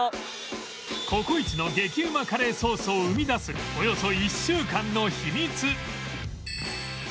ココイチの激うまカレーソースを生み出すおよそ１週間の秘密